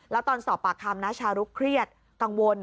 แล้วตอนสอบปากคำนะชารุกเครียดกังวล